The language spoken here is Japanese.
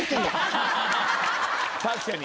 確かに。